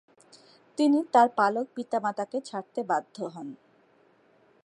তিনি তার পালক পিতা-মাতাকে ছাড়তে বাধ্য হন।